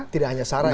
tidak hanya sarah ya